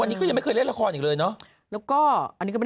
อยู่ชีวิตเธอให้เล่นละครเห็นเลยเนาะแล้วก็อันนี้ก็ไม่